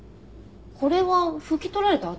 これは拭き取られた跡？